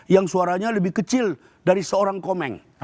yang suaranya lebih kecil dari seorang komeng